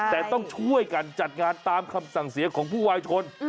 แต่ต้องช่วยกันจัดงานตามคำสั่งเสียของผู้วายชน